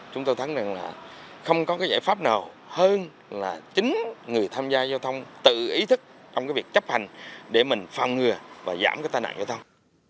chúng tôi thắng rằng là không có cái giải pháp nào hơn là chính người tham gia giao thông tự ý thức trong cái việc chấp hành để mình phòng ngừa và giảm cái tai nạn giao thông